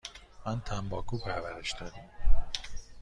ما تنباکو پرورش دادیم.